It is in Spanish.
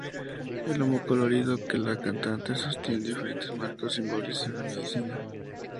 El humo colorido que la cantante sostiene en diferentes marcos simboliza la "medicina".